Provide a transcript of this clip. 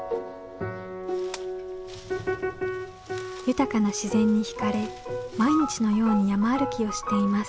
豊かな自然に惹かれ毎日のように山歩きをしています。